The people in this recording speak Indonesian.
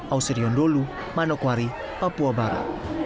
auseerion dholu manokwari papua baru